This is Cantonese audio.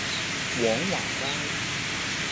廣華街